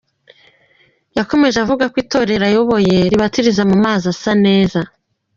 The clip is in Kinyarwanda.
Yakomeje avuga ko itorero ayoboye ribatiriza mu mazi asa neza.